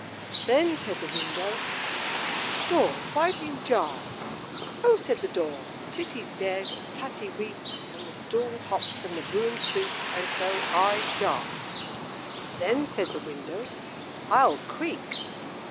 "Then," said the window, "Door, why do you jar?" "Oh!" said the door, "Titty's dead, and Tatty weeps, and the stool hops, and the broom sweeps, and so I jar." "Then," said the window, "I'll creak."